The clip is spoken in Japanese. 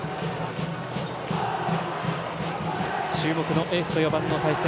注目のエースと４番の対戦。